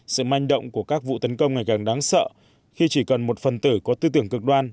sự manh động của các vụ tấn công ngày càng đáng sợ khi chỉ cần một phần tử có tư tưởng cực đoan